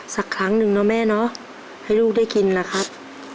สักครั้งหนึ่งเนาะแม่เนาะให้ลูกได้กินนะครับ